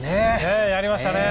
やりましたね。